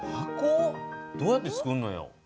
どうやってつくんのよ？